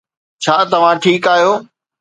ڇا توهان ٺيڪ آهيو